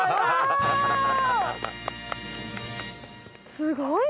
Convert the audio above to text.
すごいね。